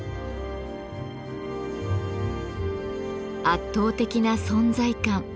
圧倒的な存在感。